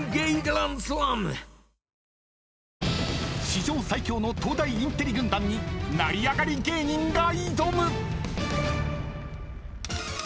［史上最強の東大インテリ軍団に成り上がり芸人が挑む！］